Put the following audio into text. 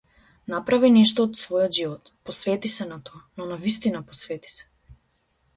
Направи нешто од својот живот, посвети се на тоа, но навистина посвети се.